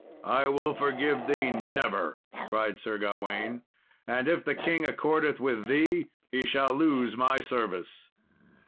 "I will forgive thee never," cried Sir Gawain, "and if the king accordeth with thee he shall lose my service."